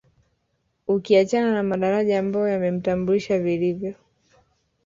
Ukiachana na madaraja ambayo yamemtambulisha vilivyo